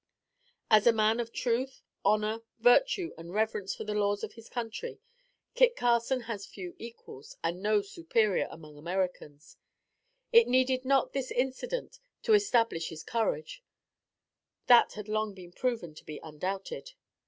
As a man of truth, honor, virtue, and reverence for the laws of his country, Kit Carson has few equals and no superior among Americans. It needed not this incident to establish his courage; that had long been proven to be undoubted.